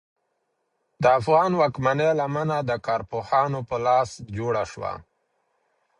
د افغان واکمنۍ لمنه د کارپوهانو په لاس جوړه شوه.